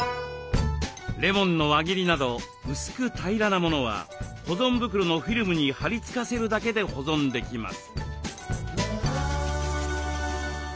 レモンの輪切りなど薄く平らなものは保存袋のフィルムにはり付かせるだけで保存できます。